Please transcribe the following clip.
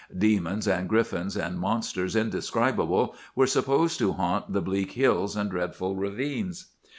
Demons and griffins and monsters indescribable were supposed to haunt the bleak hills and dreadful ravines.